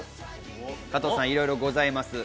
加藤さん、いろいろございます。